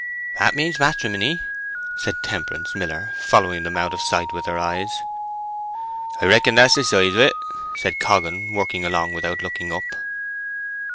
"That means matrimony," said Temperance Miller, following them out of sight with her eyes. "I reckon that's the size o't," said Coggan, working along without looking up.